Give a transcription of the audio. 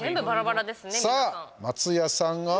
さあ、松也さんが。